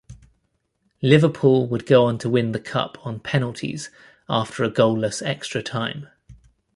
Liverpool would go on to win the Cup on penalties after a goalless extra-time.